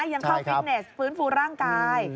ยังเข้าฟิตเนสฟื้นฟูร่างกาย